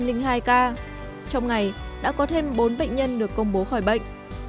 trong ngày đã có thêm bốn bệnh nhân được công bố khỏi bệnh